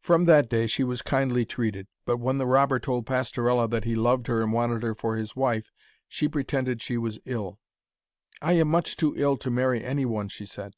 From that day she was kindly treated. But when the robber told Pastorella that he loved her and wanted her for his wife, she pretended she was ill. 'I am much too ill to marry any one,' she said.